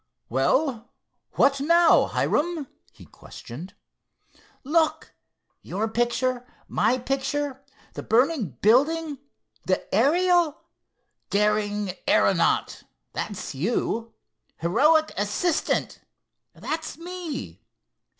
"Well, what now, Hiram?" he questioned. "Look—your picture, my picture, the burning building, the Ariel. 'Daring aeronaut'—that's you. 'Heroic assistant'—that's me.